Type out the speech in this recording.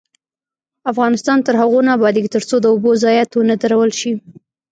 افغانستان تر هغو نه ابادیږي، ترڅو د اوبو ضایعات ونه درول شي.